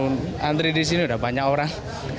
antri di sini udah banyak orang